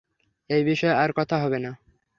এই বিষয়ে আর কথা হবে না।